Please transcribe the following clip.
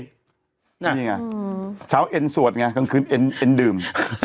นี่ไงเช้าเอ็นสวดไงกลางคืนเอ็นดื่ม